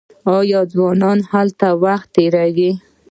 ځوانان هلته وخت تیروي.